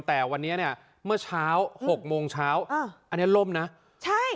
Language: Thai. แต่วันนี้เนี่ยเมื่อเช้าหกโมงเช้าอ่าอันนี้ล่มนะใช่